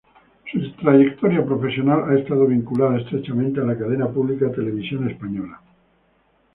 Su trayectoria profesional ha estado vinculada estrechamente a la cadena pública Televisión española.